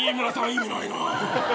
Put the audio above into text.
意味ないな。